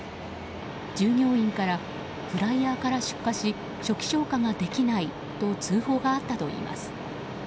従業員からフライヤーから出火し初期消火ができないと通報があったといいます。